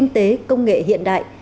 kinh tế công nghệ hiện đại